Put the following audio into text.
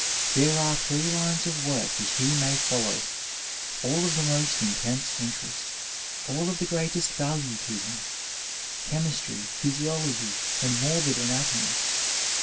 There are three lines of work which he may follow, all of the most intense interest, all of the greatest value to him— chemistry, physiology, and morbid anatomy.